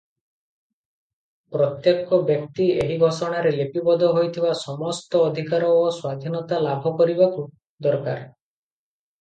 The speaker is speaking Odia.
ପ୍ରତ୍ୟେକ ବ୍ୟକ୍ତି ଏହି ଘୋଷଣାରେ ଲିପିବଦ୍ଧ ହୋଇଥିବା ସମସ୍ତ ଅଧିକାର ଓ ସ୍ୱାଧୀନତା ଲାଭ କରିବାକୁ ଦରକାର ।